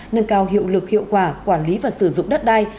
nâng cao hiệu lực hiệu quả quản lý và sử dụng đất đai